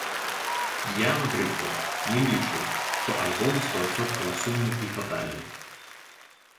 Я, напрыклад, не лічу, што альбом стоадсоткава сумны і фатальны.